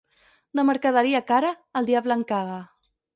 De mercaderia cara, el diable en caga.